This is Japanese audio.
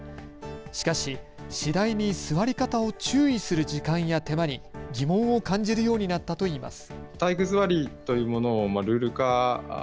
しかし次第に座り方を注意する時間や手間に疑問を感じるようになったといいます。